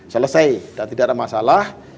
selesai dan tidak ada masalah